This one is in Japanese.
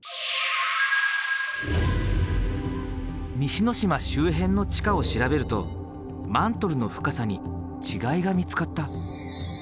西之島周辺の地下を調べるとマントルの深さに違いが見つかった。